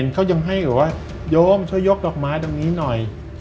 เขายังให้แบบว่าโยมช่วยยกดอกไม้ตรงนี้หน่อย